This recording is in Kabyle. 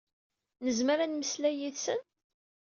Nezmer ad nemmeslay yid-sen?